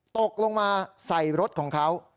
ตกลงมาใส่รถของเขา